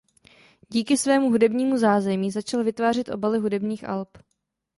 Díky svému hudebnímu zázemí začal vytvářet obaly hudebních alb.